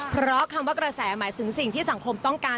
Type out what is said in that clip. เพราะคำว่ากระแสหมายถึงสิ่งที่สังคมต้องการ